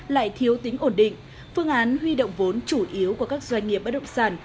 lại thiếu tính ổn định phương án huy động vốn chủ yếu của các doanh nghiệp bất động sản